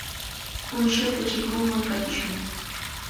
Uyshata chikunman qatishun.